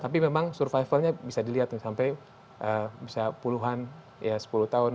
tapi memang survivalnya bisa dilihat sampai puluhan sepuluh tahun lima belas tahun